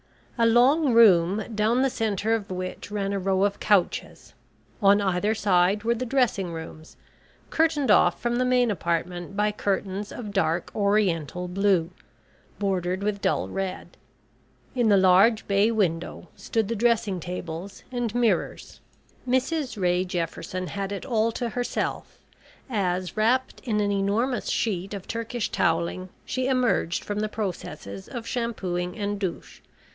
A long room, down the centre of which ran a row of couches; on either side were the dressing rooms, curtained off from the main apartment by curtains of dark Oriental blue, bordered with dull red. In the large bay window stood the dressing tables and mirrors. Mrs Ray Jefferson had it all to herself, as, wrapped in an enormous sheet of Turkish towelling, she emerged from the processes of shampooing and douche.